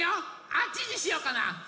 あっちにしようかな？